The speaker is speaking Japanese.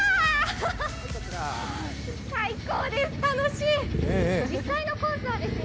最高です、楽しいです。